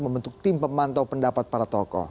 membentuk tim pemantau pendapat para tokoh